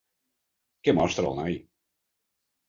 Què mostra, el noi?